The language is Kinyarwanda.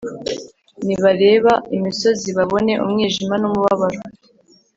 nibareba imisozi babone umwijima n’umubabaro,